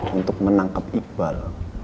untuk menangkap iqbal